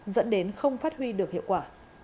dẫn đến không phát huy được hiệu quả